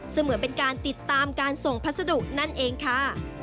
เหมือนเป็นการติดตามการส่งพัสดุนั่นเองค่ะ